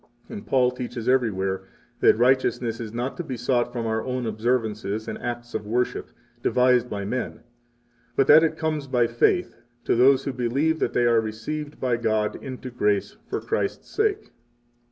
And Paul teaches everywhere that righteousness is not to be sought from our own observances and acts of worship, devised by men, but that it comes by faith to those who believe that they are received by God into grace for Christ's sake.